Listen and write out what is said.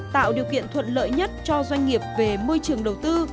tạo điều kiện thuận lợi nhất cho doanh nghiệp về môi trường đầu tư